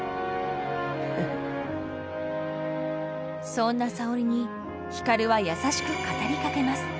そんな沙織に光は優しく語りかけます。